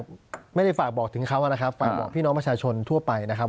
ก็ไม่ได้ฝากบอกถึงเขานะครับฝากบอกพี่น้องประชาชนทั่วไปนะครับ